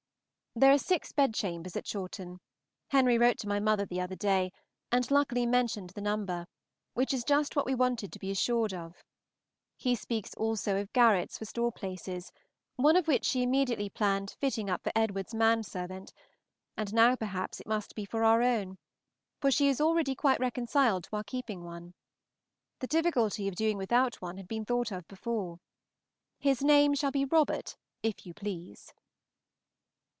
There are six bedchambers at Chawton; Henry wrote to my mother the other day, and luckily mentioned the number, which is just what we wanted to be assured of. He speaks also of garrets for store places, one of which she immediately planned fitting up for Edward's man servant; and now perhaps it must be for our own; for she is already quite reconciled to our keeping one. The difficulty of doing without one had been thought of before. His name shall be Robert, if you please.